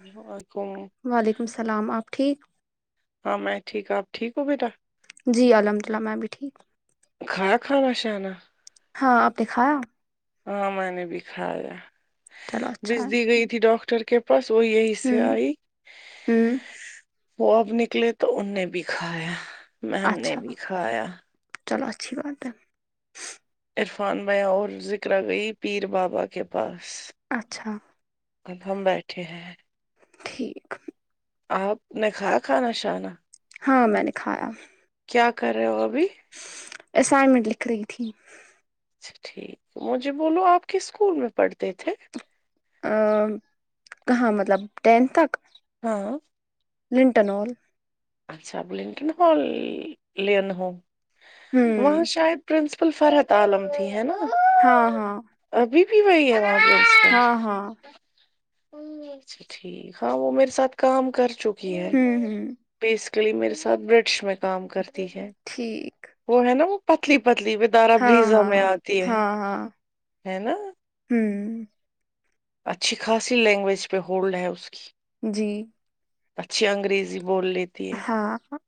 ای اور کو وعلیکم السلام آپ ٹھیک ہاں میں ٹھیک آپ ٹھیک ہو بیٹا جی الحمد اللہ میں میں بھی ٹھیک کھا کھانا شانا ہاں آپ نےکھایا ہاں میں نے بھی کھایا چلو بج اچھا ہے دی گئی تھی ڈاکٹر کے پاس وہ یہی سے ہوں آئی ہوں وہ اب نکلے تو ان نے بھی کھایا میں ہم نے اچھا بھی کھایا چلو اچھی بات ہے عرفان بیاں اور ذکر گئی پیر بابا کے پاس اچھا اب ہم بیٹھے ہیں ٹھیک آپ نے کھا یا کھانا شانا ہاں میں نے کھایا کیا کیا کر رہے ہو ا بھی اسائنمنٹ لکھ رہی تھی اچھا ٹھیک مجھے بولو آپ کس اسکول میں پڑھتے تھے کہاں مطلب ٹینتھ تک ہاں لنٹنول [unintelligible] اچھا ولنگٹن ہال لن ہو وہاں ہوں شاید پرنسپل فرحت عالم تھی ہے نا ہاں ہاں ابھی بھی وہی ہے وہا پے ہاں ہاں اچھا ٹھیک ہاں وہ میرے ساتھ کام کر چکی ہے ہوں ہوں پیس میرے ساتھ برڈش میں کام کرتی ہے ٹھیک وہ ہے نا وہ پتلی پتلی و دارا ہاں بریزا ہاں میں آتی ہے ہاں ہاں ہے نا ہوں اچھی خاصی لینگویج پہ ہولڈ ہے اس کی جی اچھی انگریزی بول لیتی ہے ہاں ہاں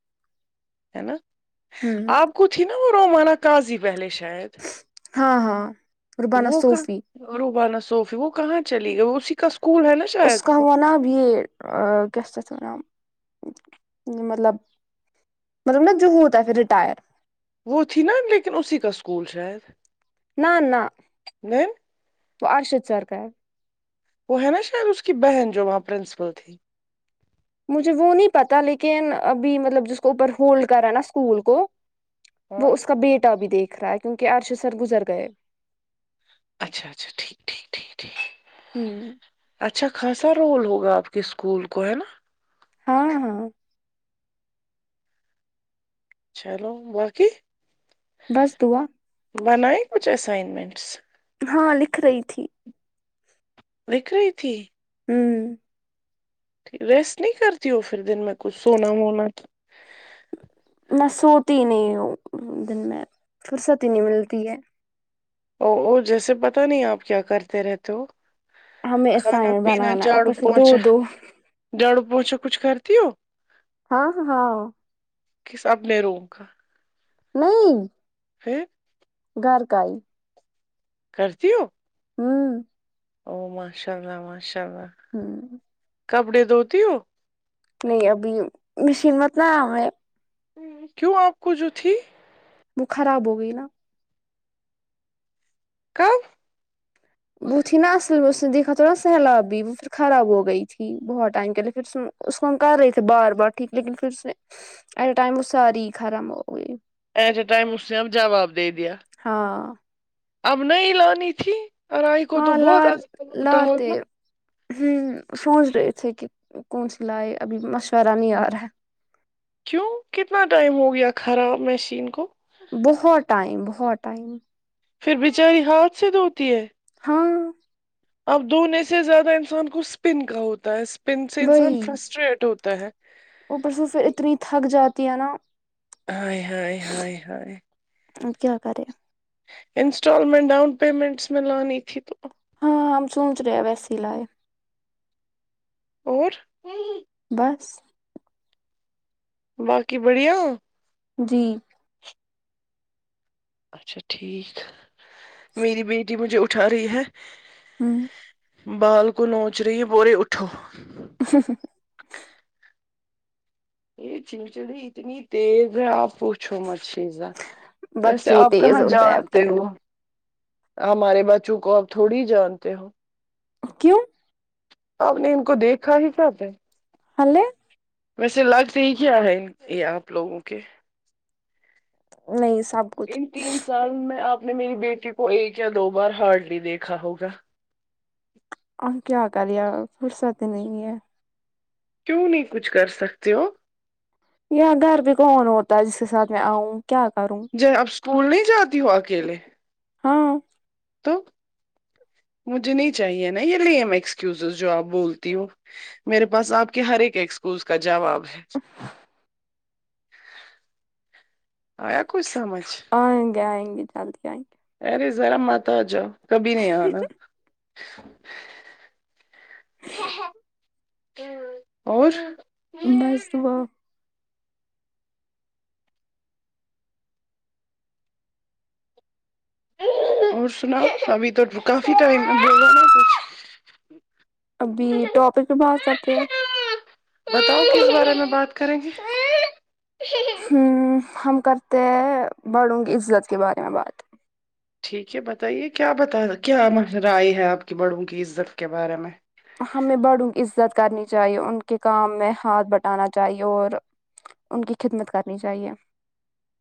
ہے نا آپ کو تھی نا وہ رومانا کاازی پہلے شاید ہاں ہاں ربانہ وہ کا صوفی روبانا صوفی وہ کہاں چلیے گئی وہ اسی کا اسکول ہے نا اس کا شاید [unintelligible] ہوا ہے نا یے کیسے مطلب مطلب نا جوہوتا ہےنا پھر رٹائر وہ تھی نا لیکن اسی کا اسکول شاید نہ نہ دین تو ارشد سر کار وہ ہے نا شاید اس کی بہن جو وہاں پرنسپل تھی مجھے وہ نہیں پتا لیکن ابھی مطلب جس کو اوپر ہولڈ کر رہا ہے نا اسکول کو وہ ہاں اس کا بیٹا بھی دیکھ رہا ہے کیونکہ ارشد سر گزر گئے اچھا اچھا ٹھیک ٹھیک ٹھیک ٹھیک ہوں اچھا خاصا رول ہوگا آپ کے اسکول کو ہے نا ہاں ہاں چلو باقی بس دعا بنائیں کچھ اسائنمنٹس ہاں لکھ رہی تھی لکھ رہی تھی ہوں ریسٹ نہیں کرتی ہو پھر دن میں کچھ سونا وونا میں سوتی ہی نہیں ہوں دن میں فرصت ہی نہیں ملتی ہے اوو جیسے پتا نہیں آپ کیا کرتے رہتے ہو ہمیں کھانا اسائن پینا بنانا ہے جاڑو اوپر سے دو پوچا دو جاڑو پوچھا کچھ کرتی ہو ہاں ہاں کے سب نے رو کا نہیں پھر گھر کائی کرتی ہو ہوں او ماشاء اللہ ماشاء اللہ ہاں کپڑے دھوتی ہو نہیں ابھی مشین مت نہ آ ہے کیوں آپ کو جو تھی وہ خراب ہو گئی نا کب بہتھی ہی ن نہ اصل میں اس س سے دیکا تھوڑ سہلاابی خراب ہو گئی تھی بہت ٹائم کے لیے پھر اس کو ہم کر رہے تھے بار بار ٹھیک لیکن پھر اس آل ٹائم وہ ساری خرم ہو گئی ایٹ اے ائم اس میں آپ جواب دا ہاں اب نہیں لانی تھی اورائی کو تو ہاں بہت عزان ہوتا ہوگا ہ سوچ رہے تھے کہ کون س لائے ابھی مشورہ نہیں آ رہا ہے کیوں کتنا ٹائم ہو گیا خراب مشین کو بہت ٹائم بہت ٹائم پھر بچاری ہاتھ سے دھوتی ہے ہاں اب دھونے سے زیادہ انسان کو اسپن کا ہوتا ہے اسپن سے انسان وہی فرسٹریٹ ہوتا ہے اوپر سے پھر اتنی تھک جاتی ہے نا آئے ہائے ہائے ہائے اب کیا کرے انسٹالمنٹ ڈاؤن پیمنٹس میں لانی تھی تو ہاں ہم سوچ رہے ویسیے ہی لائے اور بس باقی بڑھیا جی اچھا ٹھیک میری بیٹی مجھے اٹھا رہی ہے ہوں بال کو نوچ رہی ہے بولر ہے اٹھو یہ چڑچڑی اتنی تیز ہے آپ پوچھو مت شیزا ویسے بچے آپ تیز کہاں ہوتا ہے اب جانتے کیا ہو ہمارے بچوں کو آپ تھوڑی جانتے ہو کیوں آپ نے ان کو دیکھا ہی کب ہے ہے نہ ویسے لگتے ہی کیا ہے یہ آپ لوگوں کے نہیں سب کچھ ان تین سال میں آپ نے میری بیٹی کو ایک یا دو بار ہارڈلی دیکھا ہوگا اور کیا کرے یار فرصت نہیں ہے کیوں نہیں کچھ کر سکتے ہو یا گھر بھی کون ہوتا ہے جس کے ساتھ میں آؤں کیا کروں جی آپ اسکول نہیں جاتی ہو اکیلے ہاں تو مجھے نہیں چاہیے نا یہ لیم ایکسسز جو آپ بولتی ہو میرے پاس آپ کے ہر ایکسکیوز کا جواب ہے آیا کچھ سمجھ آئیں گے آئیں گے جلدی آئیں گے ارے ذرا مات آ جاؤ کبھی نہیں آنا اور بس دعا اور سناؤ ابھی تو کافی ٹائم ہوگا نا کچھ ابھی ٹاپک پہ بات کرتے کچھ ہیں بتاؤ کس بارے میں بات کریں گے ہمم ہم کرتے ہیں بڑھوں کی عزت کے بارے میں بات ٹھیک ہے بتائیے کیا بتا کیا نظریی ہے آپ کی بڑوں کی عزت کے بارے میں ہمیں بڑوں کی عزت کرنی چاہیے ان کے کام میں ہاتھ بٹانا چاہیے اور ان کی خدمت کرنی چاہیے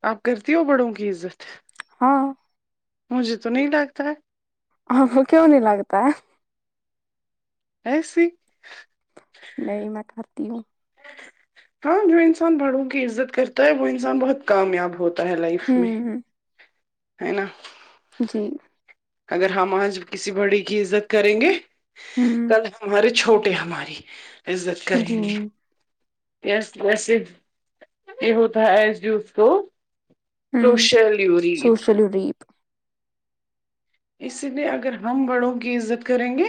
آپ کرتی ہو بڑوں کی عزت ہاں مجھے تو نہیں لگتا ہے آپکو کیوں نہیں لگتا ہے ایسے ہی نہیں میں کرتی ہوں ہاں جو انسان بڑوں کی عزت کرتا ہے وہ انسان بہت کامیاب ہو تا ہے لائف میں ہوں ہے نا جی اگر ہم آج کسی بڑی کی عزت کریں گے ہوں کل ہمار چھوٹے ہماری عزت کریں جی گے گیس ویسے کیوں ہوتا ہے ہس بھی اس کو سوشل یور ک وریپ اسی لیے اگر ہم بڑوں کی عزت کریں گے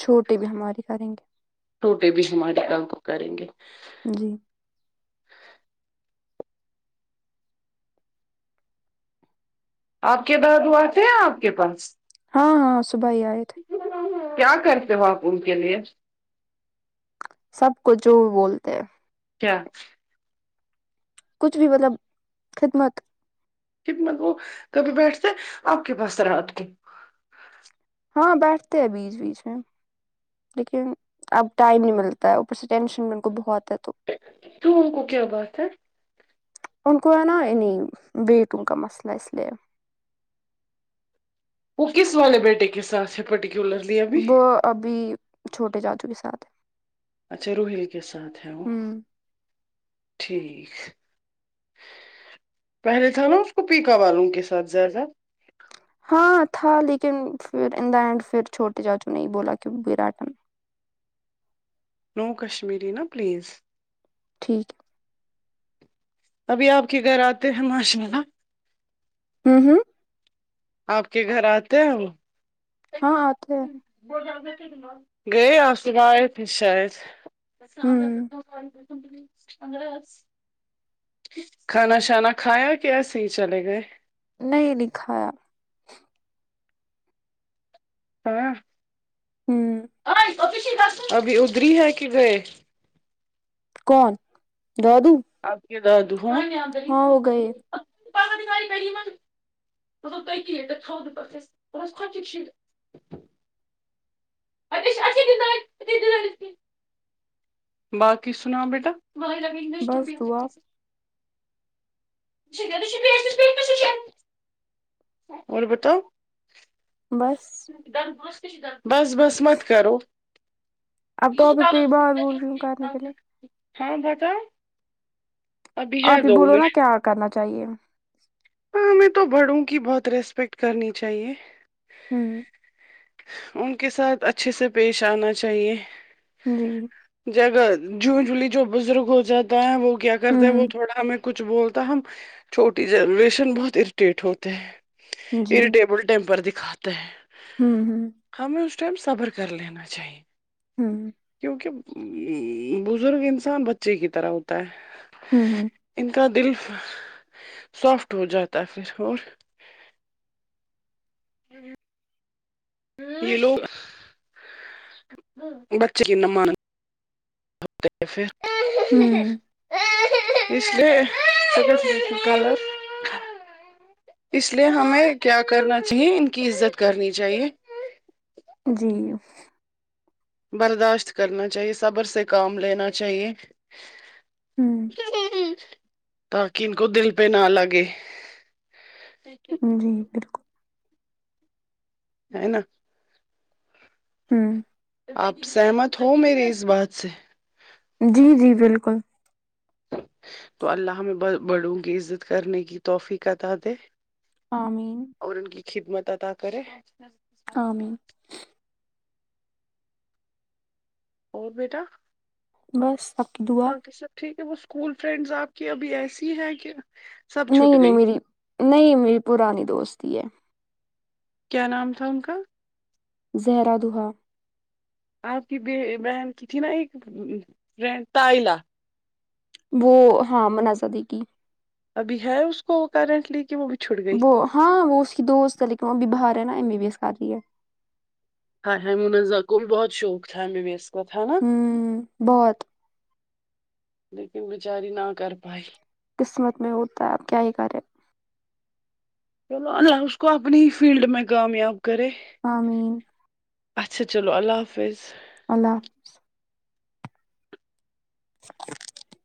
چھوٹے بھی ہماری کریں گے چھوٹے بھی ہمارے کام کریں گے جی آپ کے دادو آے تھے آپ کے پاس ہاں ہاں صبح ہی آئے تھ کیا کرتے ہو آپ ان کے لیے سب کو جو بولتے ہیں کیا کچھ بھی مطلب خدمت کتنا وہ کبھی بیٹھتے آپ کے پاس رات کے ہاں بیٹھتے ہیں بیچ بیچ میں لیکن اب ٹائم نہیں ملتا ہے اوپر سے ٹینشن ان کو بہت ہے تو کیوں انکو کیا بات ہے انکو ہے نا انہی ویٹوں کا مسئلہ ہے اسلیے وہ کس والے بیٹے کے سات ہے پٹی کیوں وہ ابھی چھوٹے چاچو کے ساتھ ہے اچھا روحیل کے ساتھ ہے وہ ٹھیک پہلے تھا نا اس کو پیکا والوں کے ساتھ زیادہ ہاں تھا لیکن پھر ان دا اینڈ پھر چھوٹے چاچو نہیں بولا کہ باٹن نو کشمیری نا پلیز ٹھیک ہے ابھی آپ کے گھر آتے ہیں ہمم ہمم آپ کے گھر آتے ہیں وہ ہاں اتے ہے گئے آج صبح اۓ تھے شاید ہوں [unintelligible] کھانا شانا کھایا کہ ایسے ہی چلے گئے نہیں دکھایا ہاں ہوں ابھی ادری ہے کہ گئے کون دادو آپ کے [unintelligible] ہاں وہ گئے [unintelligible] باقی سنا بیٹا وہاں رودش تووپی بس ہو جتی دعا سے [unintelligible] اور بتاؤ بس بس بس مت کرو اب ٹاپک پہ ہی بات بول رہی ہوں کرنے کے لیے ہاں بتاؤ ابھی آپ ہے ہی دو بولو نا منٹ کیا کرنا چاہیے ہاں ہمیں تو بڑوں کی بہت ریسپیکٹ کرنی چاہیے ہوں ان کے ساتھ اچھے سے پیش آنا چاہیے جی جگہ ج جلی جو بزرگ ہو جاتا ہے وہ کیا کرتا ہے وہ ہوں تھوڑا ہمیں کچھ بولتا ہم چھوٹی جنریشن بہت اریٹیٹ ہوتے ہیں جی اریٹیبل ٹائم پر دکھاتا ہے ہوں ہوں ہمیں اس ٹائم صبر کر لینا چاہیے ہم کیونکہ بزرگ انسان بچے کی طرح ہوتا ہوں ہے ان کا دل سافٹ ہو جاتا ہے پھر اور ہوں یہ لوگ بچے کی نا مان ف [unintelligible] ہوں [unintelligible] اس لیے ہمیں کیا کرنا چاہیے ان کی عزت کرنی چاہیے جی برداشت کرنا چاہیے صبر سے کام لینا چاہیے ہوں [unintelligible] تاکہ ان کو دل پہ نہ لگے ہے جی بالکل ہے نا ہم آپ سہمت ہو میری اس بات سے جی جی بالکل تو اللہ میں بڑوں گی عزت کرنے کی توحفیقت عطا دے امین اور ان کی خدمت عطا کرے آمین اور بیٹا بس آپ کی دوا باقی سب ٹھیک ہے وہ اسکول فرینڈز آپ کی ابھی ایسی ہیں کہ سب نہیں چھٹ نہیں گئی میری نہیں میری پرانی دوستی ہے کیا نام تھا ان کا زہرا دوحہ آپ کی بہن تائلا وہ ہاں منزہ دی کی ابھی ہے اس کو کرنٹلی کہ وہ چھٹ گئی وہ ہاں وہ اس کی دوست ہے لیکن وہ ابھی باہر ہے نا ایم بی بی ایس کر رہی ہے ہ ہ منزہ کو بہت شوق تھا ایم بی بی ایس کا ہے نا ہوں بہت لیکن بچاری نہ کر پائی قسمت میں ہوتا ہے اب کیا ہی کرے چلو اللہ اس کو اپنی ہی فیلڈ میں کامیاب کرے امین اچھا چلو اللہ حافظ اللہ [inaudible]